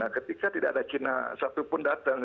nah ketika tidak ada china satupun datang